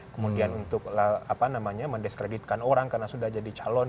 kemudian untuk mendiskreditkan orang karena sudah jadi calon